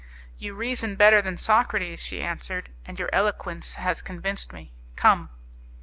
"You reason better than Socrates," she answered, "and your eloquence has convinced me. Come!"